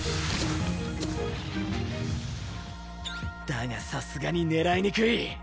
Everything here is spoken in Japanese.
だがさすがに狙いにくい。